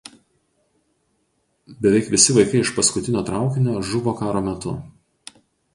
Beveik visi vaikai iš paskutinio traukinio žuvo karo metu.